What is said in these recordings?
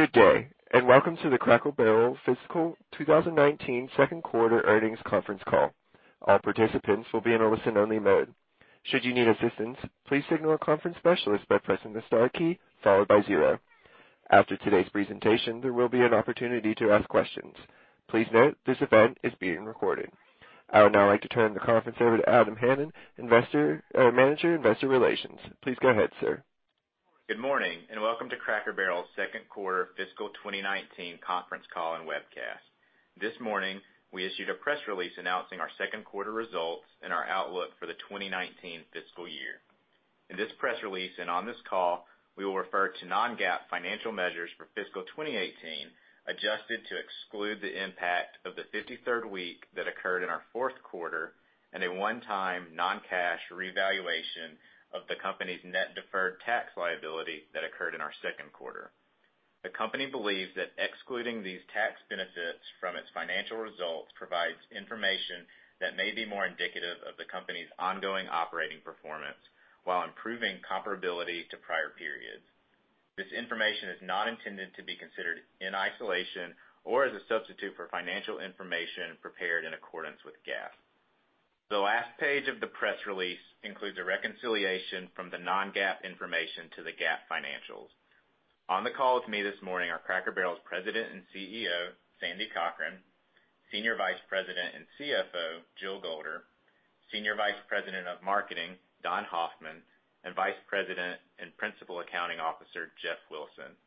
Good day, and welcome to the Cracker Barrel Fiscal 2019 Second Quarter Earnings Conference Call. All participants will be in a listen-only mode. Should you need assistance, please signal a conference specialist by pressing the star key followed by zero. After today's presentation, there will be an opportunity to ask questions. Please note this event is being recorded. I would now like to turn the conference over to Adam Hanan, Manager, Investor Relations. Please go ahead, sir. Good morning, and welcome to Cracker Barrel's second quarter fiscal 2019 conference call and webcast. This morning, we issued a press release announcing our second quarter results and our outlook for the 2019 fiscal year. In this press release and on this call, we will refer to non-GAAP financial measures for fiscal 2018, adjusted to exclude the impact of the 53rd week that occurred in our fourth quarter, and a one-time non-cash revaluation of the company's net deferred tax liability that occurred in our second quarter. The company believes that excluding these tax benefits from its financial results provides information that may be more indicative of the company's ongoing operating performance while improving comparability to prior periods. This information is not intended to be considered in isolation or as a substitute for financial information prepared in accordance with GAAP. The last page of the press release includes a reconciliation from the non-GAAP information to the GAAP financials. On the call with me this morning are Cracker Barrel's President and CEO, Sandy Cochran, Senior Vice President and CFO, Jill Golder, Senior Vice President of Marketing, Don Hoffman, and Vice President and Principal Accounting Officer, Jeff Wilson.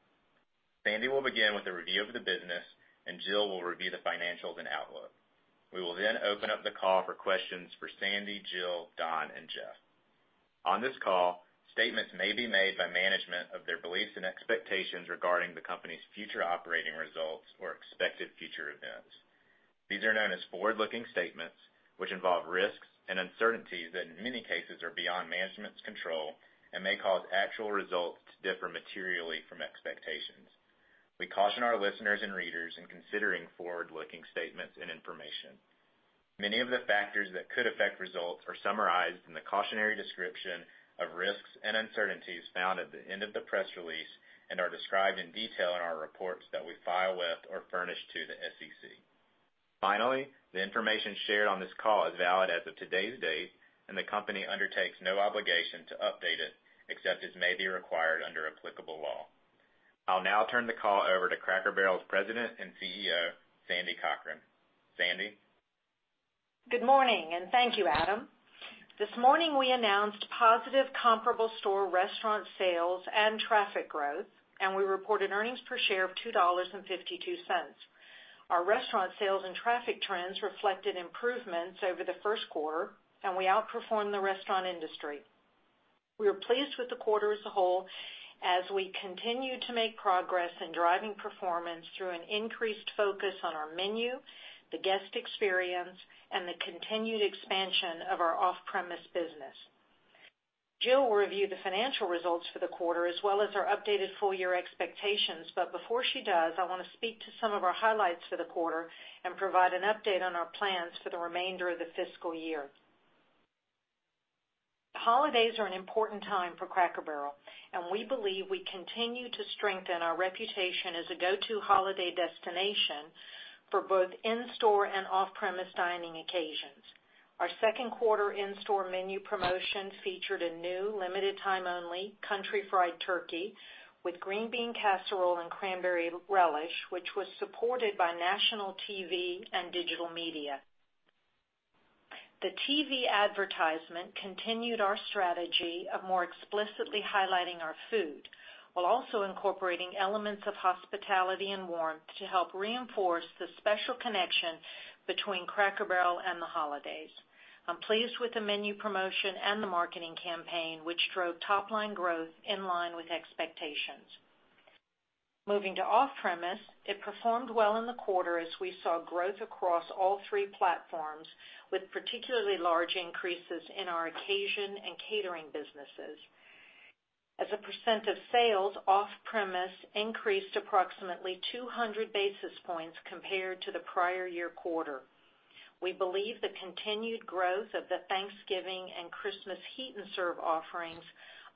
Sandy will begin with a review of the business, and Jill will review the financials and outlook. We will then open up the call for questions for Sandy, Jill, Don, and Jeff. On this call, statements may be made by management of their beliefs and expectations regarding the company's future operating results or expected future events. These are known as forward-looking statements, which involve risks and uncertainties that in many cases are beyond management's control and may cause actual results to differ materially from expectations. We caution our listeners and readers in considering forward-looking statements and information. Many of the factors that could affect results are summarized in the cautionary description of risks and uncertainties found at the end of the press release and are described in detail in our reports that we file with or furnish to the SEC. Finally, the information shared on this call is valid as of today's date, and the company undertakes no obligation to update it, except as may be required under applicable law. I'll now turn the call over to Cracker Barrel's President and CEO, Sandy Cochran. Sandy? Good morning. Thank you, Adam. This morning, we announced positive comparable store restaurant sales and traffic growth. We reported earnings per share of $2.52. Our restaurant sales and traffic trends reflected improvements over the first quarter. We outperformed the restaurant industry. We are pleased with the quarter as a whole as we continue to make progress in driving performance through an increased focus on our menu, the guest experience, and the continued expansion of our off-premise business. Jill will review the financial results for the quarter as well as our updated full-year expectations. Before she does, I want to speak to some of our highlights for the quarter and provide an update on our plans for the remainder of the fiscal year. Holidays are an important time for Cracker Barrel. We believe we continue to strengthen our reputation as a go-to holiday destination for both in-store and off-premise dining occasions. Our second quarter in-store menu promotion featured a new, limited-time only Country Fried Turkey with green bean casserole and cranberry relish, which was supported by national TV and digital media. The TV advertisement continued our strategy of more explicitly highlighting our food while also incorporating elements of hospitality and warmth to help reinforce the special connection between Cracker Barrel and the holidays. I'm pleased with the menu promotion and the marketing campaign, which drove top-line growth in line with expectations. Moving to off-premise, it performed well in the quarter as we saw growth across all three platforms, with particularly large increases in our occasion and catering businesses. As a percent of sales, off-premise increased approximately 200 basis points compared to the prior year quarter. We believe the continued growth of the Thanksgiving and Christmas heat and serve offerings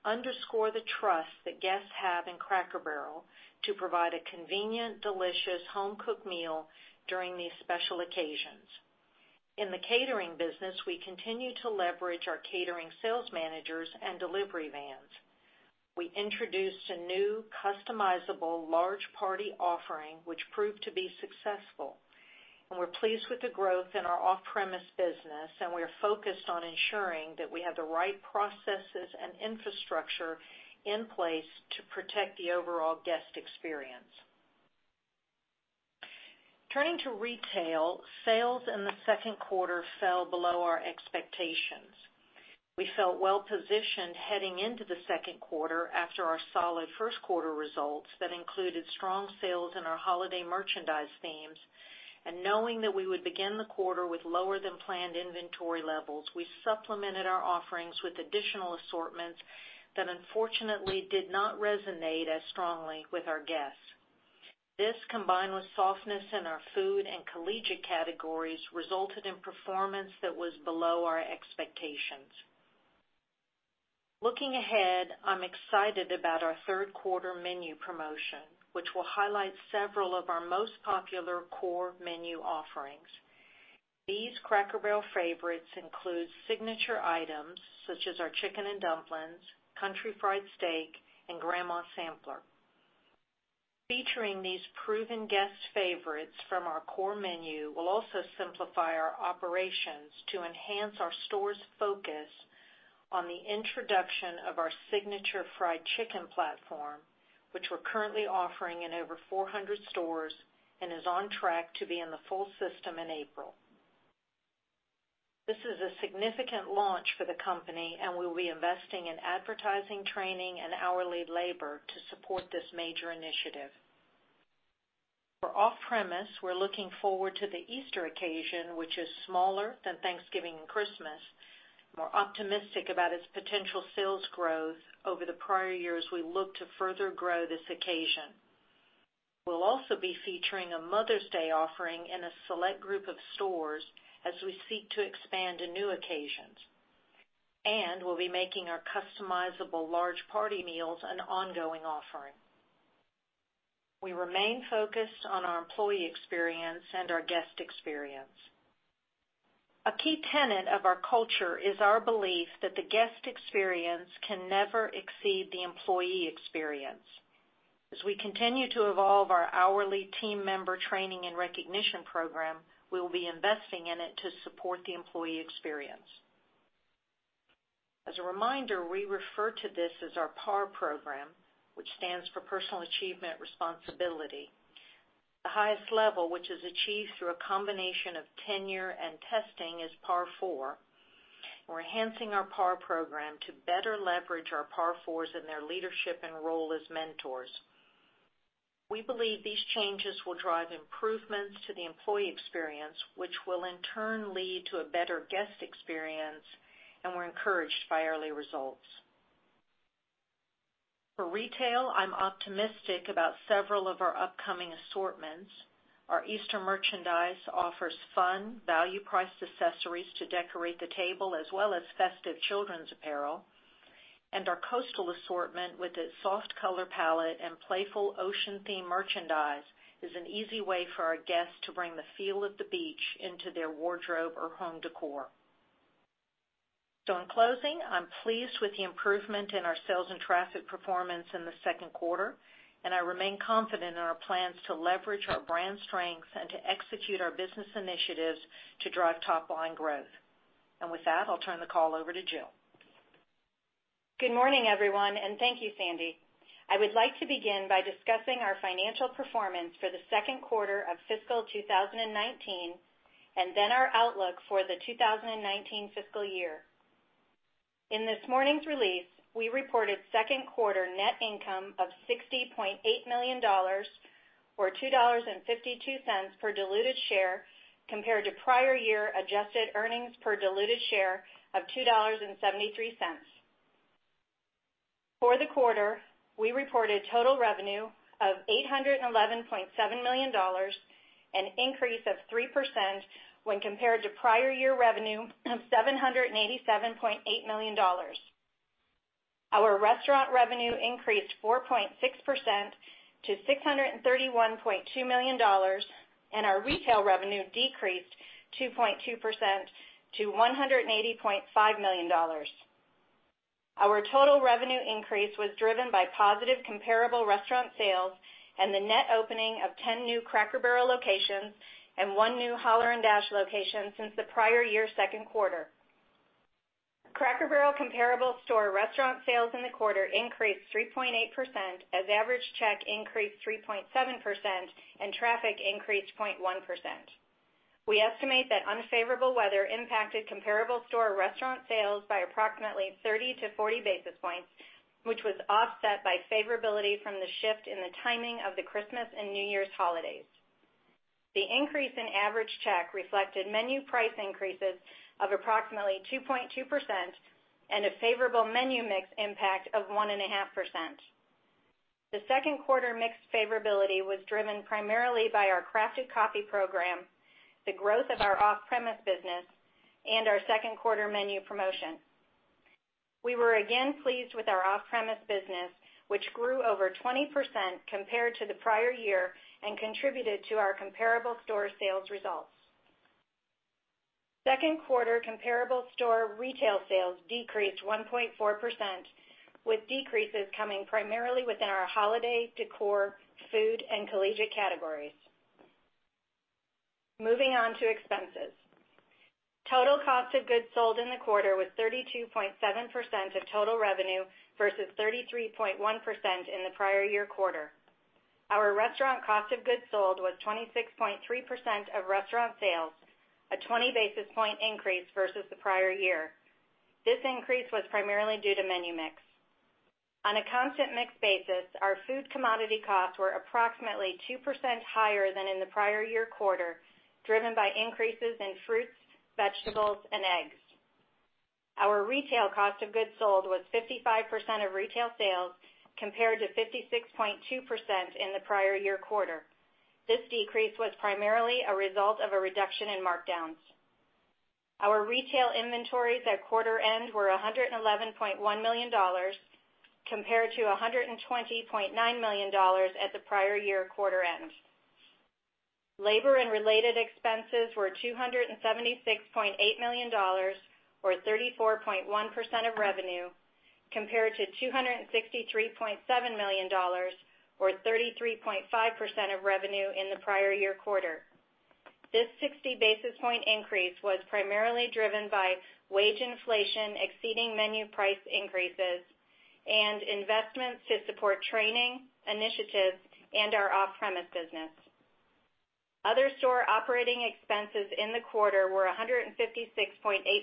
underscore the trust that guests have in Cracker Barrel to provide a convenient, delicious home-cooked meal during these special occasions. In the catering business, we continue to leverage our catering sales managers and delivery vans. We introduced a new customizable large party offering, which proved to be successful. We're pleased with the growth in our off-premise business. We are focused on ensuring that we have the right processes and infrastructure in place to protect the overall guest experience. Turning to retail, sales in the second quarter fell below our expectations. We felt well positioned heading into the second quarter after our solid first quarter results that included strong sales in our holiday merchandise themes. Knowing that we would begin the quarter with lower-than-planned inventory levels, we supplemented our offerings with additional assortments that unfortunately did not resonate as strongly with our guests. This, combined with softness in our food and collegiate categories, resulted in performance that was below our expectations. Looking ahead, I'm excited about our third quarter menu promotion, which will highlight several of our most popular core menu offerings. These Cracker Barrel favorites include signature items such as our Chicken n' Dumplins, Country Fried Steak, and Grandma's Sampler. Featuring these proven guest favorites from our core menu will also simplify our operations to enhance our store's focus on the introduction of our Signature Fried Chicken platform, which we're currently offering in over 400 stores and is on track to be in the full system in April. This is a significant launch for the company, and we'll be investing in advertising, training, and hourly labor to support this major initiative. For off-premise, we're looking forward to the Easter occasion, which is smaller than Thanksgiving and Christmas, and we're optimistic about its potential sales growth over the prior years we look to further grow this occasion. We'll also be featuring a Mother's Day offering in a select group of stores as we seek to expand to new occasions. We'll be making our customizable large party meals an ongoing offering. We remain focused on our employee experience and our guest experience. A key tenet of our culture is our belief that the guest experience can never exceed the employee experience. As we continue to evolve our hourly team member training and recognition program, we will be investing in it to support the employee experience. As a reminder, we refer to this as our PAR program, which stands for Personal Achievement Responsibility. The highest level, which is achieved through a combination of tenure and testing, is PAR Four. We're enhancing our PAR program to better leverage our PAR Fours in their leadership and role as mentors. We believe these changes will drive improvements to the employee experience, which will in turn lead to a better guest experience, and we're encouraged by early results. For retail, I'm optimistic about several of our upcoming assortments. Our Easter merchandise offers fun, value-priced accessories to decorate the table, as well as festive children's apparel. Our coastal assortment, with its soft color palette and playful ocean-themed merchandise, is an easy way for our guests to bring the feel of the beach into their wardrobe or home décor. In closing, I'm pleased with the improvement in our sales and traffic performance in the second quarter, and I remain confident in our plans to leverage our brand strength and to execute our business initiatives to drive top-line growth. With that, I'll turn the call over to Jill. Good morning, everyone, and thank you, Sandy. I would like to begin by discussing our financial performance for the second quarter of fiscal 2019, and then our outlook for the 2019 fiscal year. In this morning's release, we reported second quarter net income of $60.8 million, or $2.52 per diluted share, compared to prior year adjusted earnings per diluted share of $2.73. For the quarter, we reported total revenue of $811.7 million, an increase of 3% when compared to prior year revenue of $787.8 million. Our restaurant revenue increased 4.6% to $631.2 million, and our retail revenue decreased 2.2% to $180.5 million. Our total revenue increase was driven by positive comparable restaurant sales and the net opening of 10 new Cracker Barrel locations and one new Holler & Dash location since the prior year's second quarter. Cracker Barrel comparable store restaurant sales in the quarter increased 3.8%, as average check increased 3.7% and traffic increased 0.1%. We estimate that unfavorable weather impacted comparable store restaurant sales by approximately 30-40 basis points, which was offset by favorability from the shift in the timing of the Christmas and New Year's holidays. The increase in average check reflected menu price increases of approximately 2.2% and a favorable menu mix impact of 1.5%. The second quarter mix favorability was driven primarily by our Crafted Coffee program, the growth of our off-premise business, and our second quarter menu promotion. We were again pleased with our off-premise business, which grew over 20% compared to the prior year and contributed to our comparable store sales results. Second quarter comparable store retail sales decreased 1.4%, with decreases coming primarily within our holiday, décor, food, and collegiate categories. Moving on to expenses. Total cost of goods sold in the quarter was 32.7% of total revenue versus 33.1% in the prior year quarter. Our restaurant cost of goods sold was 26.3% of restaurant sales, a 20 basis point increase versus the prior year. This increase was primarily due to menu mix. On a constant mix basis, our food commodity costs were approximately 2% higher than in the prior year quarter, driven by increases in fruits, vegetables, and eggs. Our retail cost of goods sold was 55% of retail sales, compared to 56.2% in the prior year quarter. This decrease was primarily a result of a reduction in markdowns. Our retail inventories at quarter end were $111.1 million compared to $120.9 million at the prior year quarter end. Labor and related expenses were $276.8 million or 34.1% of revenue, compared to $263.7 million or 33.5% of revenue in the prior year quarter. This 60 basis point increase was primarily driven by wage inflation exceeding menu price increases and investments to support training initiatives and our off-premise business. Other store operating expenses in the quarter were $156.8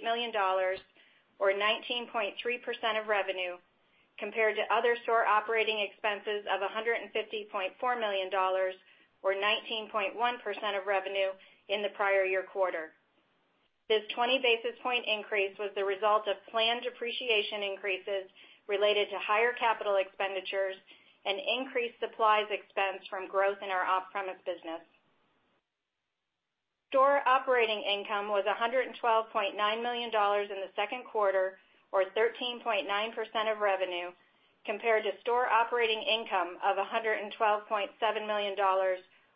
million or 19.3% of revenue compared to other store operating expenses of $150.4 million or 19.1% of revenue in the prior year quarter. This 20 basis point increase was the result of planned depreciation increases related to higher capital expenditures and increased supplies expense from growth in our off-premise business. Store operating income was $112.9 million in the second quarter or 13.9% of revenue compared to store operating income of $112.7 million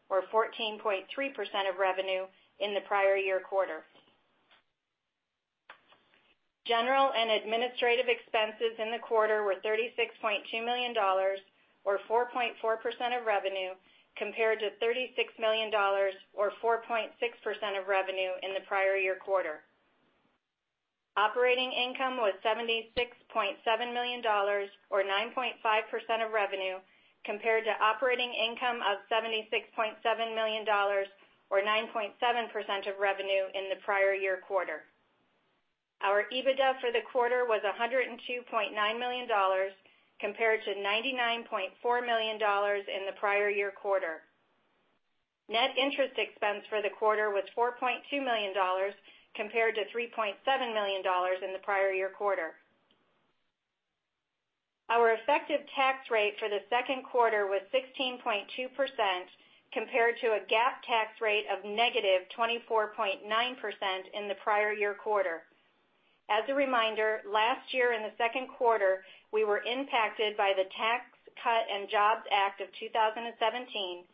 or 14.3% of revenue in the prior year quarter. General and administrative expenses in the quarter were $36.2 million or 4.4% of revenue compared to $36 million or 4.6% of revenue in the prior year quarter. Operating income was $76.7 million or 9.5% of revenue compared to operating income of $76.7 million or 9.7% of revenue in the prior year quarter. Our EBITDA for the quarter was $102.9 million compared to $99.4 million in the prior year quarter. Net interest expense for the quarter was $4.2 million compared to $3.7 million in the prior year quarter. Our effective tax rate for the second quarter was 16.2% compared to a GAAP tax rate of -24.9% in the prior year quarter. As a reminder, last year in the second quarter, we were impacted by the Tax Cuts and Jobs Act of 2017,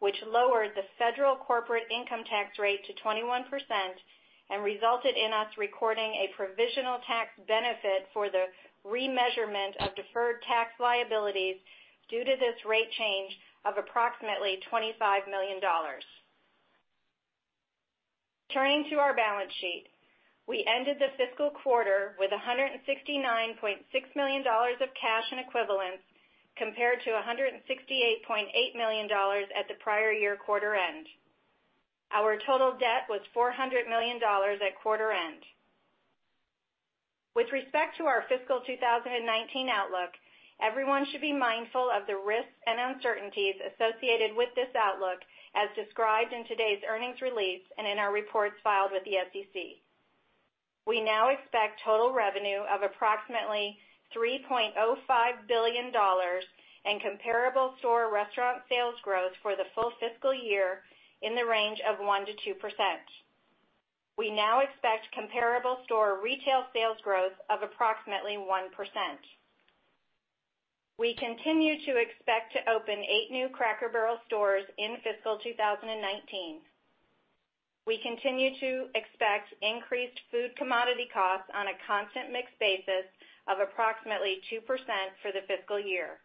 which lowered the federal corporate income tax rate to 21% and resulted in us recording a provisional tax benefit for the remeasurement of deferred tax liabilities due to this rate change of approximately $25 million. Turning to our balance sheet. We ended the fiscal quarter with $169.6 million of cash and equivalents compared to $168.8 million at the prior year quarter end. Our total debt was $400 million at quarter end. With respect to our fiscal 2019 outlook, everyone should be mindful of the risks and uncertainties associated with this outlook as described in today's earnings release and in our reports filed with the SEC. We now expect total revenue of approximately $3.05 billion and comparable store restaurant sales growth for the full fiscal year in the range of 1%-2%. We now expect comparable store retail sales growth of approximately 1%. We continue to expect to open eight new Cracker Barrel stores in fiscal 2019. We continue to expect increased food commodity costs on a constant mixed basis of approximately 2% for the fiscal year.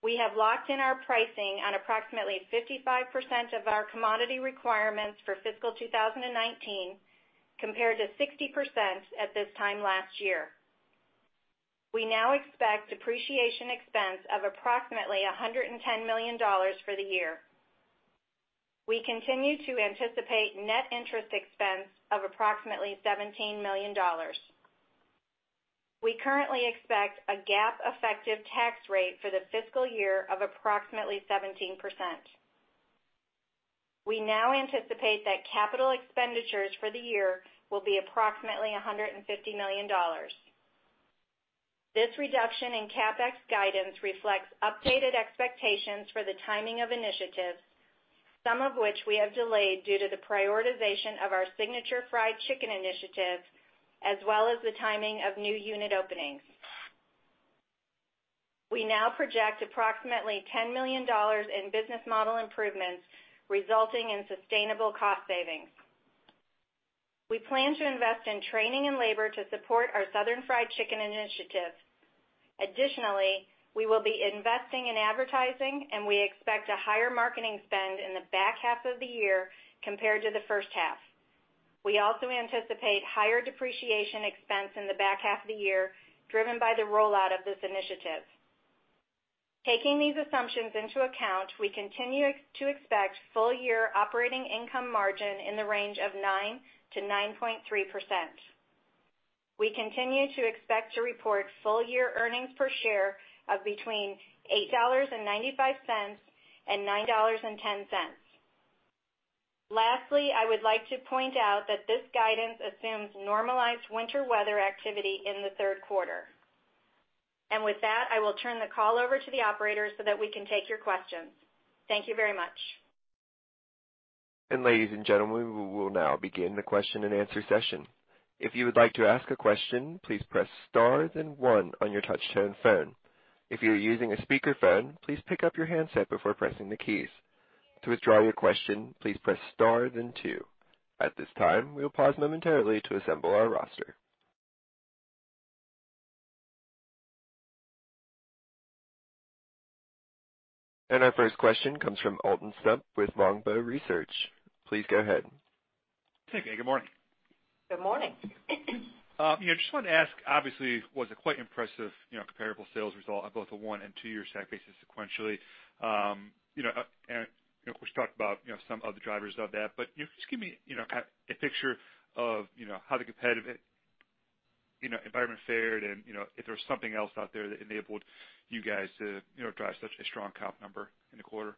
We have locked in our pricing on approximately 55% of our commodity requirements for fiscal 2019 compared to 60% at this time last year. We now expect depreciation expense of approximately $110 million for the year. We continue to anticipate net interest expense of approximately $17 million. We currently expect a GAAP effective tax rate for the fiscal year of approximately 17%. We now anticipate that capital expenditures for the year will be approximately $150 million. This reduction in CapEx guidance reflects updated expectations for the timing of initiatives, some of which we have delayed due to the prioritization of our Signature Fried Chicken initiative, as well as the timing of new unit openings. We now project approximately $10 million in business model improvements resulting in sustainable cost savings. We plan to invest in training and labor to support our Southern Fried Chicken initiative. Additionally, we will be investing in advertising, we expect a higher marketing spend in the back half of the year compared to the first half. We also anticipate higher depreciation expense in the back half of the year, driven by the rollout of this initiative. Taking these assumptions into account, we continue to expect full year operating income margin in the range of 9%-9.3%. We continue to expect to report full year earnings per share of between $8.95 and $9.10. Lastly, I would like to point out that this guidance assumes normalized winter weather activity in the third quarter. With that, I will turn the call over to the operator so that we can take your questions. Thank you very much. Ladies and gentlemen, we will now begin the question and answer session. If you would like to ask a question, please press star then one on your touch-tone phone. If you are using a speakerphone, please pick up your handset before pressing the keys. To withdraw your question, please press star then two. At this time, we will pause momentarily to assemble our roster. Our first question comes from Alton Stump with Longbow Research. Please go ahead. Okay, good morning. Good morning. Just wanted to ask, obviously, was a quite impressive comparable sales result on both a one and two year stack basis sequentially. Of course, talked about some of the drivers of that, but just give me a picture of how the competitive environment fared and if there was something else out there that enabled you guys to drive such a strong comp number in the quarter.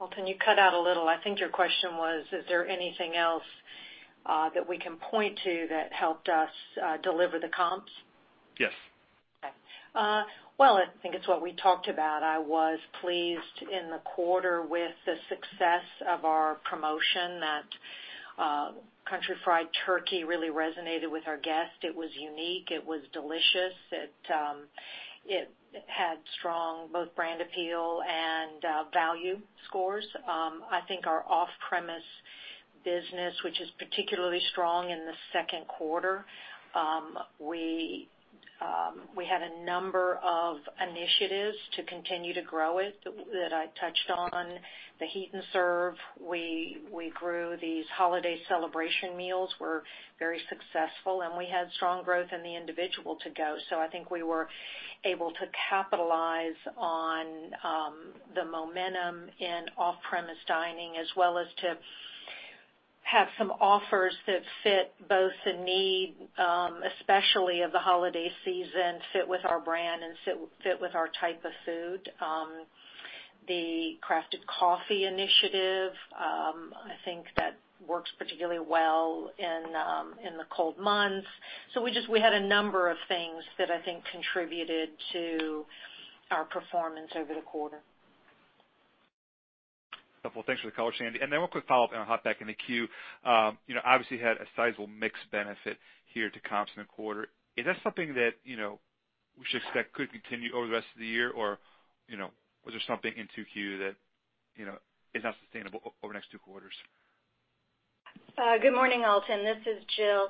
Alton, you cut out a little. I think your question was, is there anything else that we can point to that helped us deliver the comps? Yes. Okay. Well, I think it's what we talked about. I was pleased in the quarter with the success of our promotion. That Country Fried Turkey really resonated with our guests. It was unique. It was delicious. It had strong, both brand appeal and value scores. I think our off-premise business, which is particularly strong in the second quarter. We had a number of initiatives to continue to grow it that I touched on. The heat and serve, we grew these holiday celebration meals were very successful, and we had strong growth in the individual to-go. I think we were able to capitalize on the momentum in off-premise dining, as well as to have some offers that fit both the need, especially of the holiday season, fit with our brand and fit with our type of food. The Crafted Coffee initiative, I think that works particularly well in the cold months. We had a number of things that I think contributed to our performance over the quarter. Well, thanks for the color, Sandy. Then one quick follow-up and I'll hop back in the queue. Obviously, had a sizable mix benefit here to comps in the quarter. Is that something that we should expect could continue over the rest of the year? Was there something in 2Q that is not sustainable over the next two quarters? Good morning, Alton. This is Jill.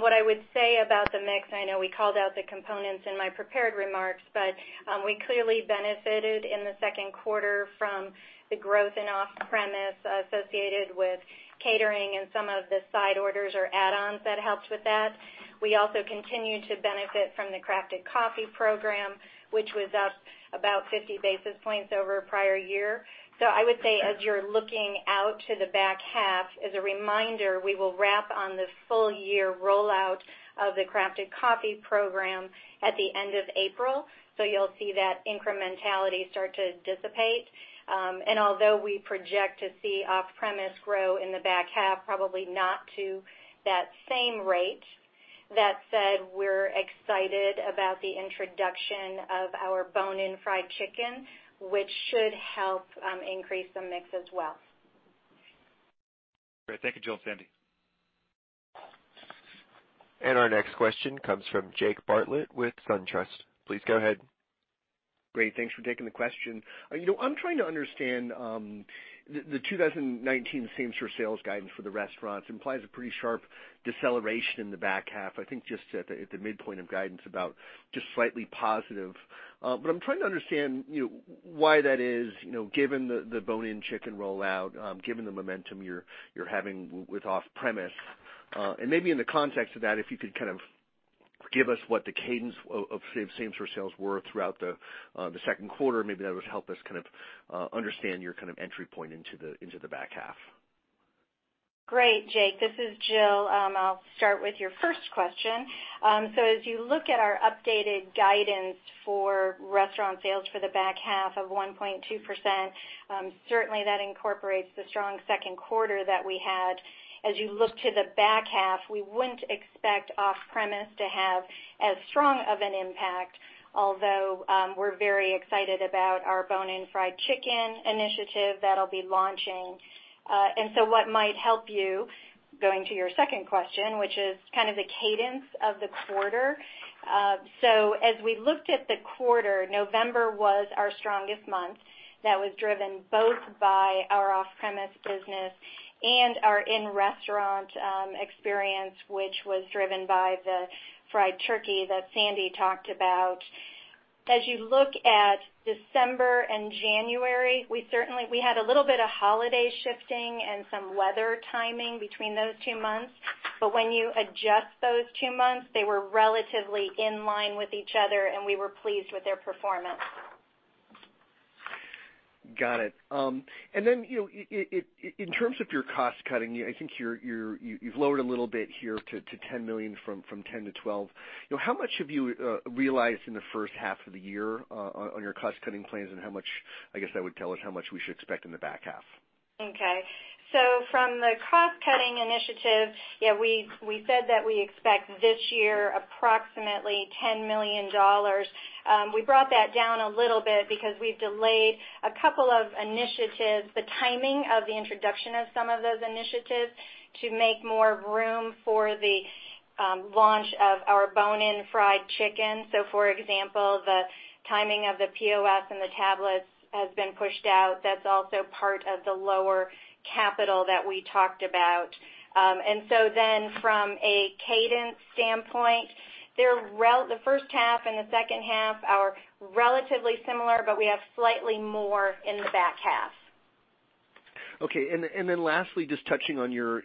What I would say about the mix, I know we called out the components in my prepared remarks, but we clearly benefited in the second quarter from the growth in off-premise associated with catering and some of the side orders or add-ons that helped with that. We also continued to benefit from the Crafted Coffee program, which was up about 50 basis points over prior year. I would say as you're looking out to the back half, as a reminder, we will wrap on the full year rollout of the Crafted Coffee program at the end of April. You'll see that incrementality start to dissipate. Although we project to see off-premise grow in the back half, probably not to that same rate. That said, we're excited about the introduction of our bone-in fried chicken, which should help increase the mix as well. Great. Thank you, Jill and Sandy. Our next question comes from Jake Bartlett with SunTrust. Please go ahead. Great, thanks for taking the question. I'm trying to understand the 2019 same-store sales guidance for the restaurants implies a pretty sharp deceleration in the back half, I think just at the midpoint of guidance about just slightly positive. I'm trying to understand why that is, given the bone-in chicken rollout, given the momentum you're having with off-premise. Maybe in the context of that, if you could kind of give us what the cadence of same-store sales were throughout the second quarter, maybe that would help us kind of understand your kind of entry point into the back half. Great, Jake. This is Jill. I'll start with your first question. As you look at our updated guidance for restaurant sales for the back half of 1.2%, certainly that incorporates the strong second quarter that we had. As you look to the back half, we won't expect off-premise to have as strong of an impact, although we're very excited about our bone-in fried chicken initiative that'll be launching. What might help you, going to your second question, which is kind of the cadence of the quarter. As we looked at the quarter, November was our strongest month. That was driven both by our off-premise business and our in-restaurant experience, which was driven by the fried turkey that Sandy talked about. As you look at December and January, we had a little bit of holiday shifting and some weather timing between those two months. When you adjust those two months, they were relatively in line with each other, and we were pleased with their performance. Got it. In terms of your cost cutting, I think you've lowered a little bit here to $10 million from $10 million to $12 million. How much have you realized in the first half of the year on your cost-cutting plans, and how much, I guess that would tell us how much we should expect in the back half? Okay. From the cost-cutting initiative, we said that we expect this year approximately $10 million. We brought that down a little bit because we've delayed a couple of initiatives, the timing of the introduction of some of those initiatives, to make more room for the launch of our bone-in fried chicken. For example, the timing of the POS and the tablets has been pushed out. That's also part of the lower capital that we talked about. From a cadence standpoint, the first half and the second half are relatively similar, but we have slightly more in the back half. Okay. Lastly, just touching on your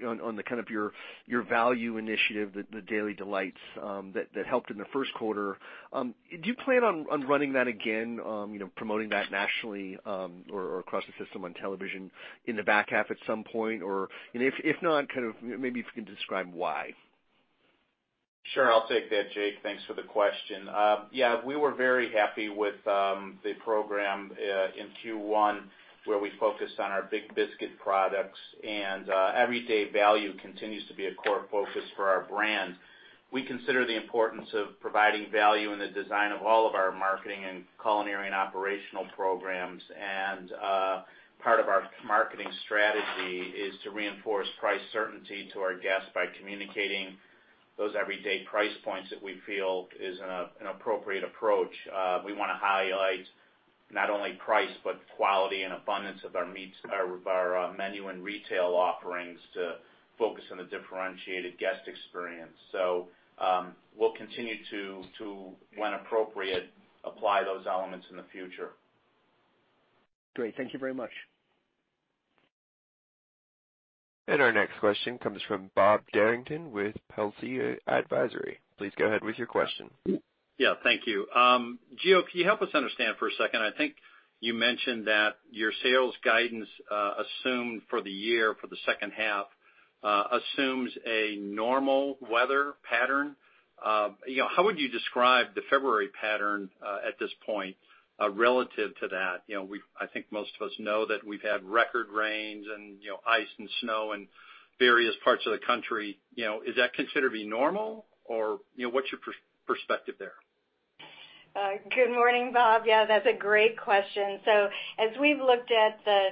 value initiative, the Daily Delights that helped in the first quarter, do you plan on running that again, promoting that nationally or across the system on television in the back half at some point? If not, maybe if you can describe why. Sure. I'll take that, Jake. Thanks for the question. We were very happy with the program in Q1 where we focused on our Big Biscuit products, and everyday value continues to be a core focus for our brand. We consider the importance of providing value in the design of all of our marketing and culinary and operational programs. Part of our marketing strategy is to reinforce price certainty to our guests by communicating those everyday price points that we feel is an appropriate approach. We want to highlight not only price, but quality and abundance of our menu and retail offerings to focus on the differentiated guest experience. We'll continue to, when appropriate, apply those elements in the future. Great. Thank you very much. Our next question comes from Bob Derrington with Telsey Advisory. Please go ahead with your question. Yeah, thank you. Jill, can you help us understand for a second, I think you mentioned that your sales guidance assumed for the year, for the second half, assumes a normal weather pattern. How would you describe the February pattern at this point relative to that? I think most of us know that we've had record rains and ice and snow in various parts of the country. Is that considered to be normal? Or what's your perspective there? Good morning, Bob. Yeah, that's a great question. As we've looked at the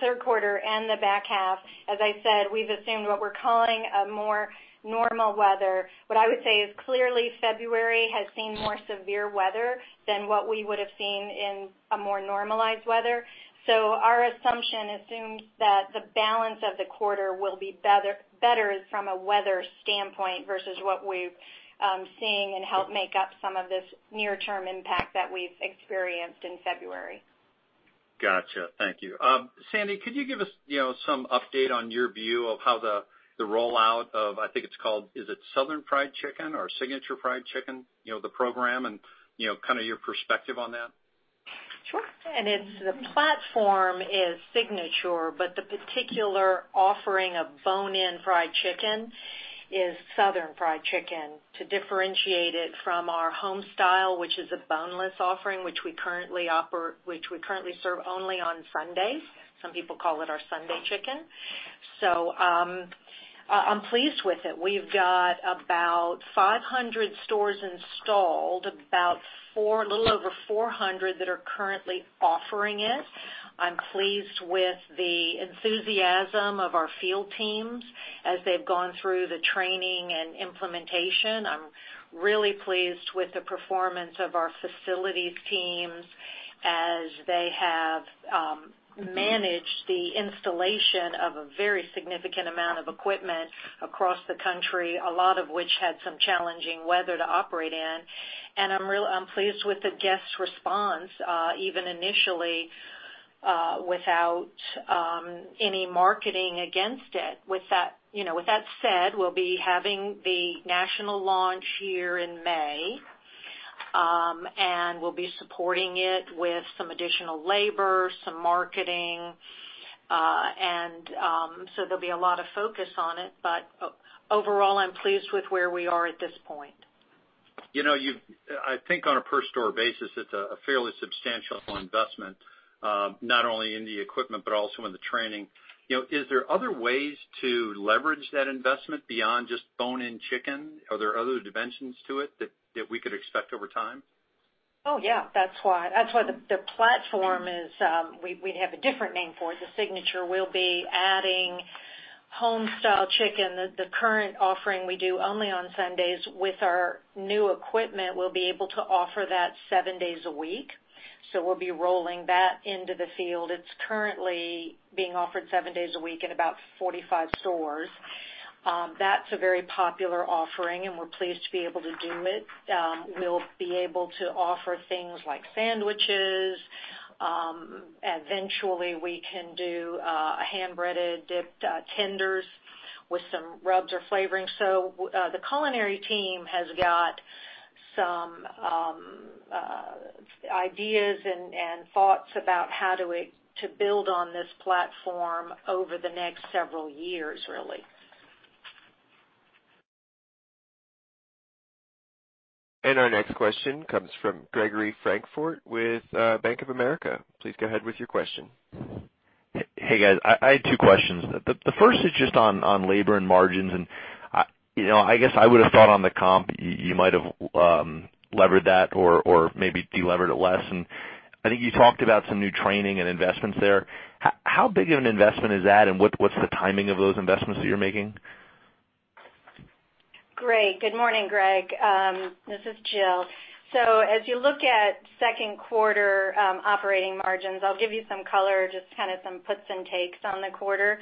third quarter and the back half, as I said, we've assumed what we're calling a more normal weather. What I would say is clearly February has seen more severe weather than what we would've seen in a more normalized weather. Our assumption assumes that the balance of the quarter will be better from a weather standpoint versus what we've seen and help make up some of this near-term impact that we've experienced in February. Got you. Thank you. Sandy, could you give us some update on your view of how the rollout of, I think it's called, is it Southern Fried Chicken or Signature Fried Chicken, the program and kind of your perspective on that? Sure. The platform is Signature, but the particular offering of bone-in fried chicken is Southern Fried Chicken to differentiate it from our homestyle, which is a boneless offering, which we currently serve only on Sundays. Some people call it our Sunday chicken. I'm pleased with it. We've got about 500 stores installed, a little over 400 that are currently offering it. I'm pleased with the enthusiasm of our field teams as they've gone through the training and implementation. I'm really pleased with the performance of our facilities teams as they have managed the installation of a very significant amount of equipment across the country, a lot of which had some challenging weather to operate in. I'm pleased with the guests' response, even initially, without any marketing against it. With that said, we'll be having the national launch here in May. We'll be supporting it with some additional labor, some marketing. There'll be a lot of focus on it, overall, I'm pleased with where we are at this point. I think on a per store basis, it's a fairly substantial investment, not only in the equipment, but also in the training. Is there other ways to leverage that investment beyond just bone-in chicken? Are there other dimensions to it that we could expect over time? Oh, yeah. That's why the platform is, we have a different name for it, the Signature. We'll be adding homestyle chicken, the current offering we do only on Sundays. With our new equipment, we'll be able to offer that seven days a week. We'll be rolling that into the field. It's currently being offered seven days a week at about 45 stores. That's a very popular offering, and we're pleased to be able to do it. We'll be able to offer things like sandwiches. Eventually, we can do hand-breaded dipped tenders with some rubs or flavoring. The culinary team has got some ideas and thoughts about how to build on this platform over the next several years, really. Our next question comes from Gregory Francfort with Bank of America. Please go ahead with your question. Hey, guys. I had two questions. The first is just on labor and margins. I guess I would've thought on the comp, you might have levered that or maybe de-levered it less. I think you talked about some new training and investments there. How big of an investment is that, and what's the timing of those investments that you're making? Great. Good morning, Greg. This is Jill. As you look at second quarter operating margins, I'll give you some color, just kind of some puts and takes on the quarter.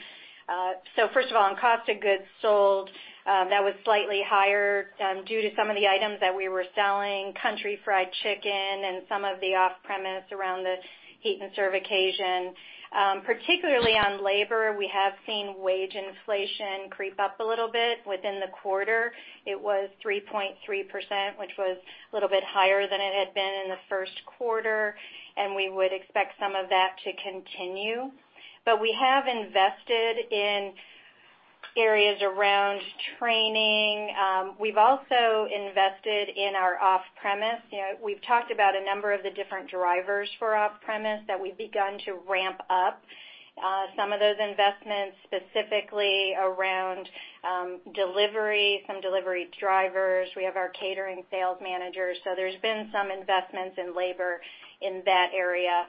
First of all, on cost of goods sold, that was slightly higher due to some of the items that we were selling, Country Fried Turkey and some of the off-premise around the heat and serve occasion. Particularly on labor, we have seen wage inflation creep up a little bit within the quarter. It was 3.3%, which was a little bit higher than it had been in the first quarter, and we would expect some of that to continue. We have invested in areas around training. We've also invested in our off-premise. We've talked about a number of the different drivers for off-premise that we've begun to ramp up. Some of those investments, specifically around delivery, some delivery drivers. We have our catering sales managers. There's been some investments in labor in that area.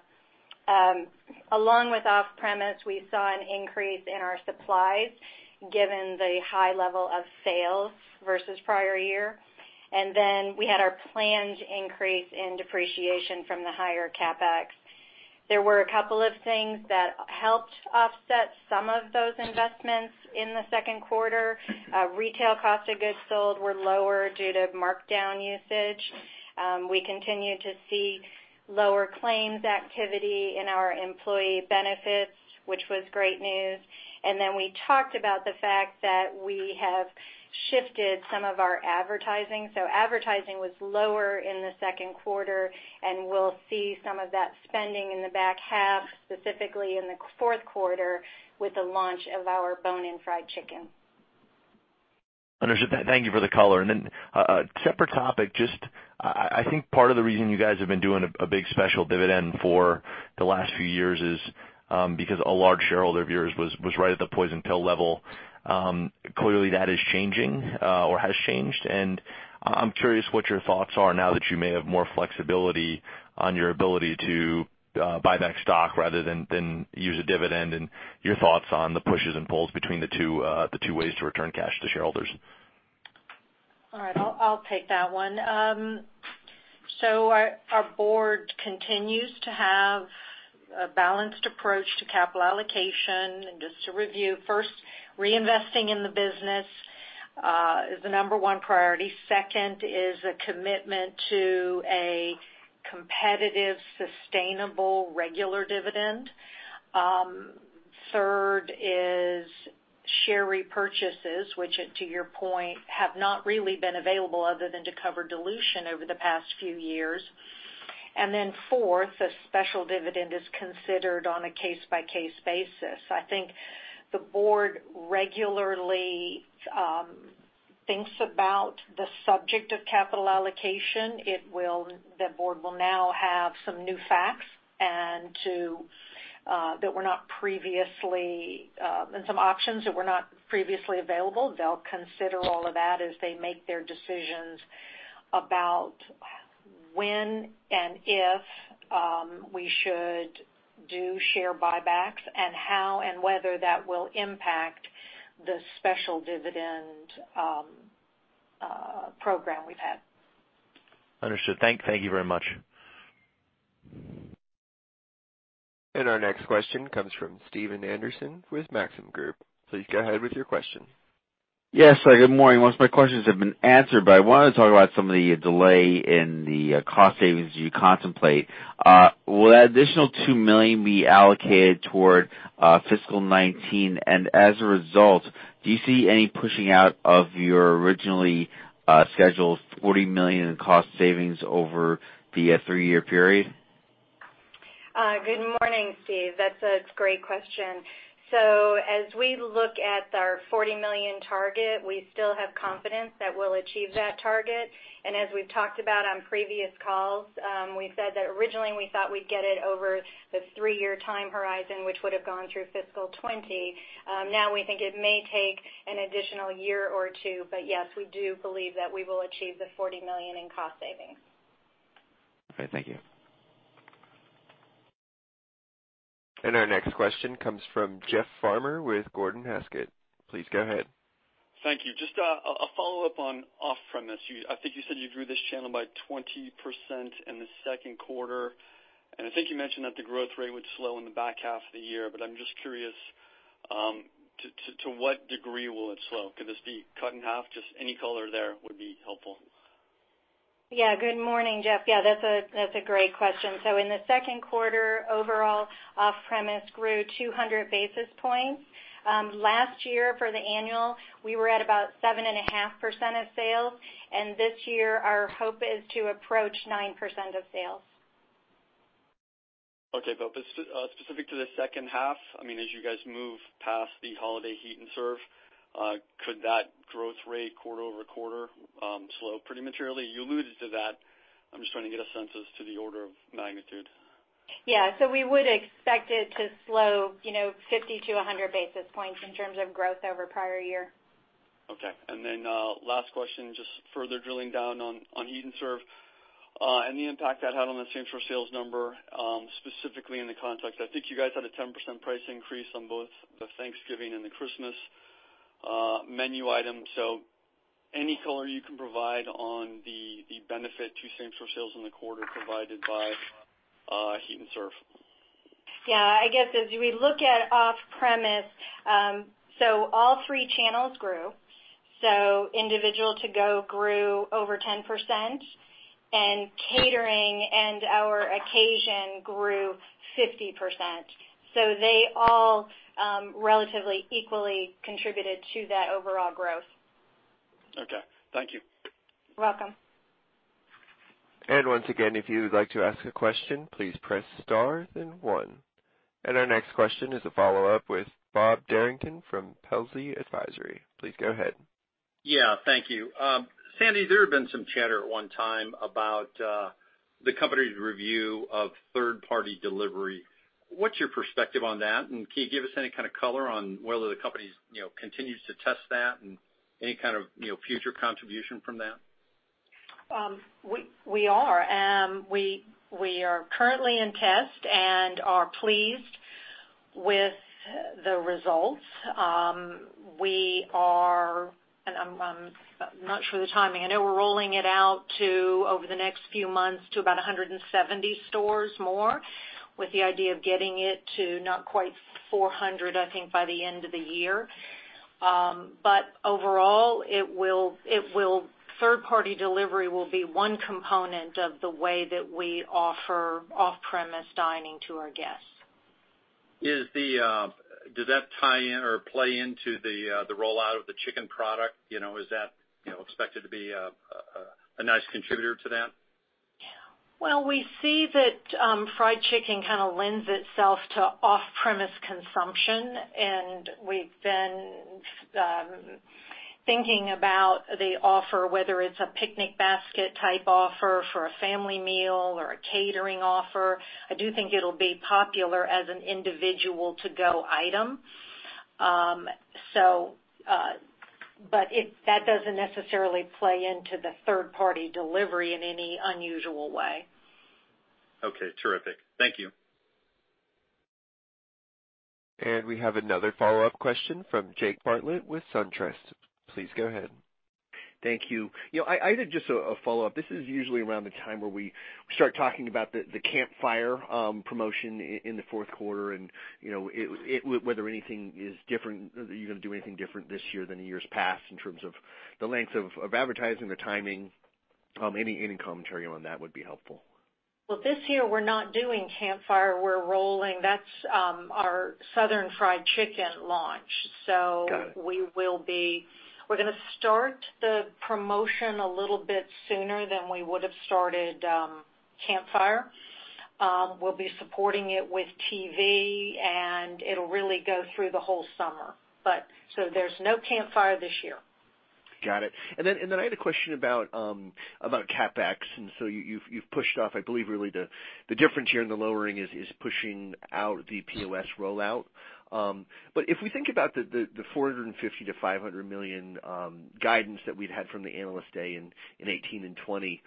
Along with off-premise, we saw an increase in our supplies given the high level of sales versus prior year. We had our planned increase in depreciation from the higher CapEx. There were a couple of things that helped offset some of those investments in the second quarter. Retail cost of goods sold were lower due to markdown usage. We continue to see lower claims activity in our employee benefits, which was great news. We talked about the fact that we have shifted some of our advertising. Advertising was lower in the second quarter, and we'll see some of that spending in the back half, specifically in the fourth quarter with the launch of our bone-in fried chicken. Understood. Thank you for the color. Separate topic, just I think part of the reason you guys have been doing a big special dividend for the last few years is because a large shareholder of yours was right at the poison pill level. Clearly that is changing or has changed. I'm curious what your thoughts are now that you may have more flexibility on your ability to buy back stock rather than use a dividend, and your thoughts on the pushes and pulls between the two ways to return cash to shareholders. All right. I'll take that one. Our board continues to have a balanced approach to capital allocation. Just to review, first, reinvesting in the business, is the number one priority. Second is a commitment to a competitive, sustainable, regular dividend. Third is share repurchases, which to your point, have not really been available other than to cover dilution over the past few years. Fourth, a special dividend is considered on a case-by-case basis. I think the board regularly thinks about the subject of capital allocation. The board will now have some new facts and some options that were not previously available. They'll consider all of that as they make their decisions about when and if we should do share buybacks and how and whether that will impact the special dividend program we've had. Understood. Thank you very much. Our next question comes from Stephen Anderson with Maxim Group. Please go ahead with your question. Yes. Good morning. Most of my questions have been answered. I want to talk about some of the delay in the cost savings you contemplate. Will that additional $2 million be allocated toward fiscal 2019? As a result, do you see any pushing out of your originally scheduled $40 million in cost savings over the three-year period? Good morning, Steve. That's a great question. As we look at our $40 million target, we still have confidence that we'll achieve that target. As we've talked about on previous calls, we've said that originally we thought we'd get it over the three-year time horizon, which would've gone through fiscal 2020. Now we think it may take an additional year or two. Yes, we do believe that we will achieve the $40 million in cost savings. Okay. Thank you. Our next question comes from Jeff Farmer with Gordon Haskett. Please go ahead. Thank you. Just a follow-up on off-premise. I think you said you grew this channel by 20% in the second quarter, and I think you mentioned that the growth rate would slow in the back half of the year. I'm just curious, to what degree will it slow? Could this be cut in half? Just any color there would be helpful. Good morning, Jeff. That's a great question. In the second quarter, overall off-premise grew 200 basis points. Last year for the annual, we were at about 7.5% of sales. This year our hope is to approach 9% of sales. Okay. Specific to the second half, as you guys move past the holiday heat and serve, could that growth rate quarter-over-quarter slow pretty materially? You alluded to that. I'm just trying to get a sense as to the order of magnitude. We would expect it to slow 50 to 100 basis points in terms of growth over prior year. Okay. Then last question, just further drilling down on heat and serve and the impact that had on the same-store sales number, specifically in the context. I think you guys had a 10% price increase on both the Thanksgiving and the Christmas menu item. Any color you can provide on the benefit to same-store sales in the quarter provided by heat and serve? Yeah, I guess as we look at off-premise, all three channels grew. Individual to-go grew over 10%, and catering and our occasion grew 50%. They all relatively equally contributed to that overall growth. Okay. Thank you. Welcome. Once again, if you would like to ask a question, please press star then one. Our next question is a follow-up with Bob Derrington from Telsey Advisory. Please go ahead. Yeah, thank you. Sandy, there had been some chatter at one time about the company's review of third-party delivery. What's your perspective on that? Can you give us any kind of color on whether the company continues to test that and any kind of future contribution from that? We are currently in test and are pleased with the results. I'm not sure of the timing. I know we're rolling it out over the next few months to about 170 stores more with the idea of getting it to not quite 400, I think, by the end of the year. Overall, third-party delivery will be one component of the way that we offer off-premise dining to our guests. Does that tie in or play into the rollout of the chicken product? Is that expected to be a nice contributor to that? Well, we see that fried chicken kind of lends itself to off-premise consumption, and we've been thinking about the offer, whether it's a picnic basket type offer for a family meal or a catering offer. I do think it'll be popular as an individual to-go item. That doesn't necessarily play into the third-party delivery in any unusual way. Okay, terrific. Thank you. We have another follow-up question from Jake Bartlett with SunTrust. Please go ahead. Thank you. I had just a follow-up. This is usually around the time where we start talking about the Campfire promotion in the fourth quarter and whether you're going to do anything different this year than in years past in terms of the length of advertising, the timing. Any commentary on that would be helpful. This year, we're not doing Campfire. We're rolling that's our Southern Fried Chicken launch. Got it. We're going to start the promotion a little bit sooner than we would've started Campfire. We'll be supporting it with TV, and it'll really go through the whole summer. There's no Campfire this year. Got it. I had a question about CapEx. You've pushed off, I believe, really the difference here in the lowering is pushing out the POS rollout. If we think about the $450 million-$500 million guidance that we'd had from the Analyst Day in 2018 and 2020,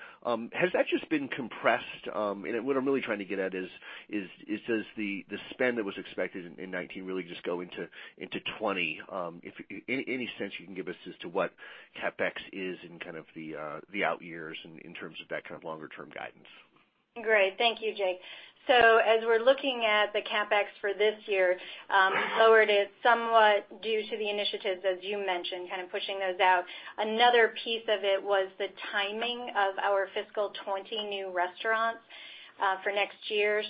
has that just been compressed? What I'm really trying to get at is, does the spend that was expected in 2019 really just go into 2020? Any sense you can give us as to what CapEx is in kind of the out years and in terms of that kind of longer-term guidance? Great. Thank you, Jake. As we're looking at the CapEx for this year, we lowered it somewhat due to the initiatives, as you mentioned, kind of pushing those out. Another piece of it was the timing of our fiscal 2020 new restaurants for next year.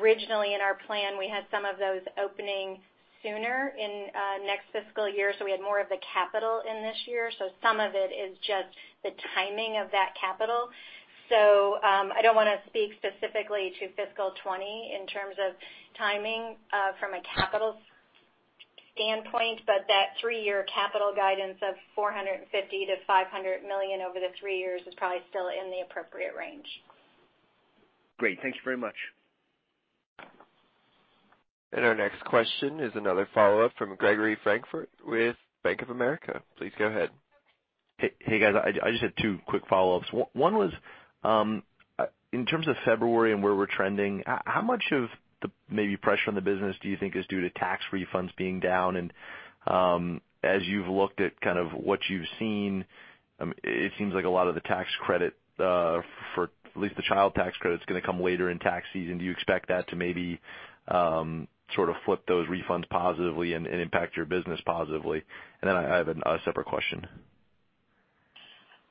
Originally in our plan, we had some of those opening sooner in next fiscal year, so we had more of the capital in this year. Some of it is just the timing of that capital. I don't want to speak specifically to fiscal 2020 in terms of timing from a capital standpoint, but that three-year capital guidance of $450 million-$500 million over the three years is probably still in the appropriate range. Great. Thank you very much. Our next question is another follow-up from Gregory Francfort with Bank of America. Please go ahead. Hey, guys. I just had two quick follow-ups. One was in terms of February and where we're trending, how much of the maybe pressure on the business do you think is due to tax refunds being down? As you've looked at kind of what you've seen, it seems like a lot of the tax credit for at least the child tax credit is going to come later in tax season. Do you expect that to maybe sort of flip those refunds positively and impact your business positively? I have a separate question.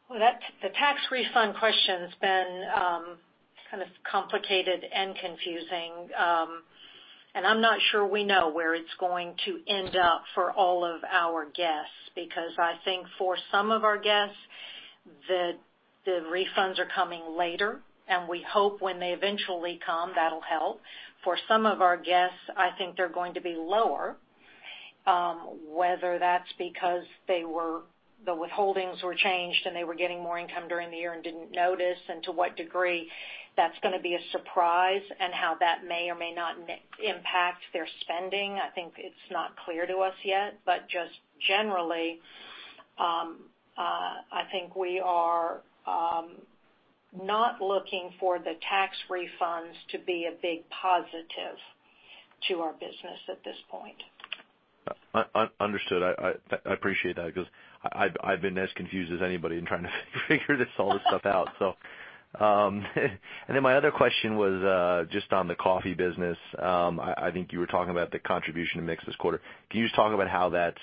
Well, the tax refund question's been kind of complicated and confusing. I'm not sure we know where it's going to end up for all of our guests, because I think for some of our guests. The refunds are coming later, and we hope when they eventually come, that'll help. For some of our guests, I think they're going to be lower. Whether that's because the withholdings were changed and they were getting more income during the year and didn't notice, and to what degree, that's going to be a surprise and how that may or may not impact their spending. I think it's not clear to us yet. Just generally, I think we are not looking for the tax refunds to be a big positive to our business at this point. Understood. I appreciate that because I've been as confused as anybody in trying to figure this all this stuff out. My other question was just on the coffee business. I think you were talking about the contribution to mix this quarter. Can you just talk about how that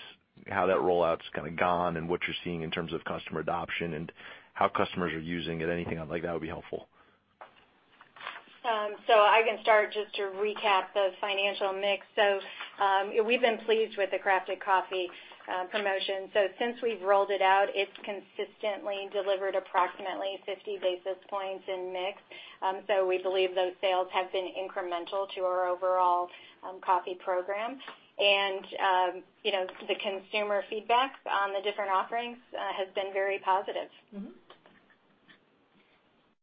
rollout's kind of gone and what you're seeing in terms of customer adoption and how customers are using it? Anything like that would be helpful. I can start just to recap the financial mix. We've been pleased with the Crafted Coffee promotion. Since we've rolled it out, it's consistently delivered approximately 50 basis points in mix. We believe those sales have been incremental to our overall coffee program. The consumer feedback on the different offerings has been very positive.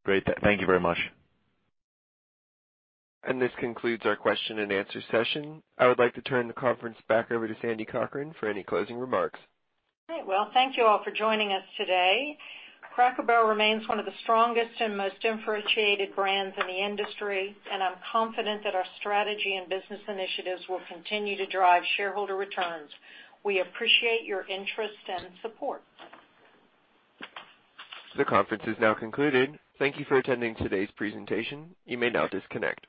Great. Thank you very much. This concludes our question and answer session. I would like to turn the conference back over to Sandy Cochran for any closing remarks. All right, well, thank you all for joining us today. Cracker Barrel remains one of the strongest and most differentiated brands in the industry, and I'm confident that our strategy and business initiatives will continue to drive shareholder returns. We appreciate your interest and support. The conference is now concluded. Thank you for attending today's presentation. You may now disconnect.